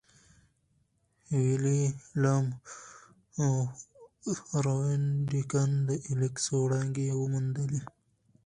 ویلهلم رونټګن د ایکس وړانګې وموندلې.